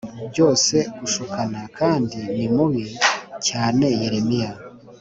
Byose gushukana kandi ni mubi cyane yeremiya